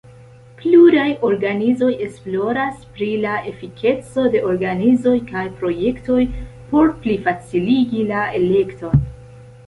Pluraj organizoj esploras pri la efikeco de organizoj kaj projektoj por plifaciligi la elekton.